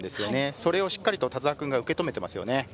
それをしっかり田澤君が受け止めていますね。